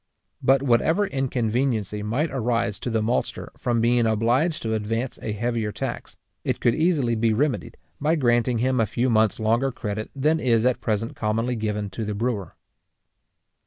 But whatever inconveniency might arise to the maltster from being obliged to advance a heavier tax, it could easily be remedied, by granting him a few months longer credit than is at present commonly given to the brewer.